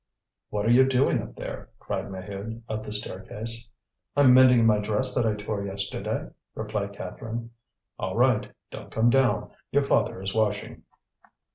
"What are you doing up there?" cried Maheude, up the staircase. "I'm mending my dress that I tore yesterday," replied Catherine. "All right. Don't come down, your father is washing."